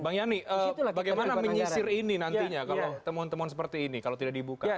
bang yani bagaimana menyisir ini nantinya kalau temuan temuan seperti ini kalau tidak dibuka